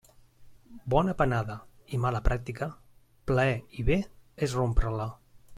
Bona panada i mala pràctica, plaer i bé és rompre-la.